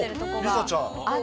梨紗ちゃん